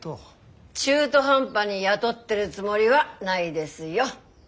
中途半端に雇ってるつもりはないですよ。